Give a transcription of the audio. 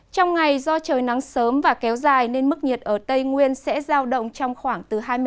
trong ngày do trời nắng sớm và kéo dài nên mức nhiệt ở tây nguyên sẽ giao động trong khoảng từ